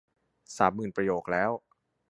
สามหมื่นประโยคแล้ว